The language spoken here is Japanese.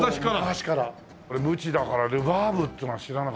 俺無知だからルバーブってのは知らなかった。